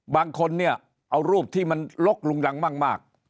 บางคนเนี่ยเอารูปที่มันลกลุงดังมาก